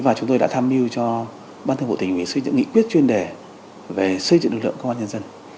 và chúng tôi đã tham dự cho ban thượng bộ tỉnh về xây dựng nghị quyết chuyên đề về xây dựng lực lượng công an nhân dân